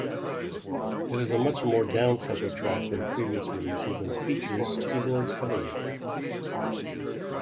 It is a much more downtempo track than previous releases and feature keyboards heavily.